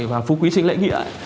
và phú quý sinh lễ nghĩa